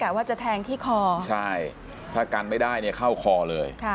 ว่าจะแทงที่คอใช่ถ้ากันไม่ได้เนี่ยเข้าคอเลย